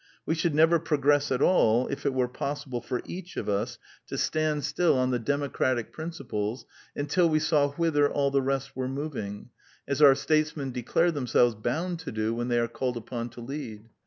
We should never progress at all if it were possible for each of us to stand still on io6 The Quintessence of Ibsenism democratic principles until we saw whither all the rest were moving, as our statesmen declare them selves bound to do when they are called upon to lead.